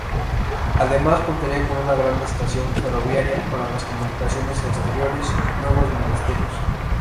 Además contaría con una gran estación ferroviaria para las comunicaciones exteriores: Nuevos Ministerios.